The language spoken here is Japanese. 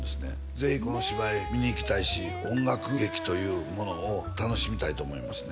ぜひこの芝居見に行きたいし音楽劇というものを楽しみたいと思いますね